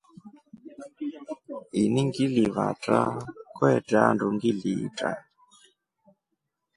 Ini ngilivatra kwetre andu ngiliitra.